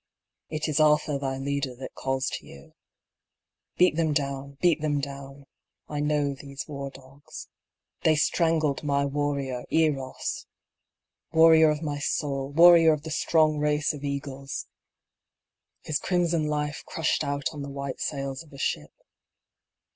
It is Atha thy leader that calls to you. Beat them down, beat them down. I know these war dogs. They strangled my warrior, Eros ! Warrior of my soul ; Warrior of the strong race of Eagles I His crimson life crushed out on the white sails of a ship.